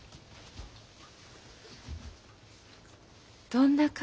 どんな顔？